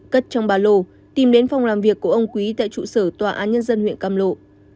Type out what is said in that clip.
cất trong bà lô tìm đến phòng làm việc của ông quý tại trụ sở tòa án nhân dân huyện cam lộ